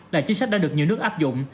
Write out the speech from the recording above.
là chính sách đã được nhiều nước áp dụng